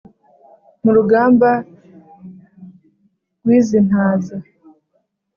Mu rugamba rw'iz'intaza